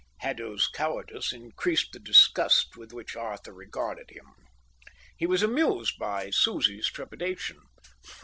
Haddo's cowardice increased the disgust with which Arthur regarded him. He was amused by Susie's trepidation.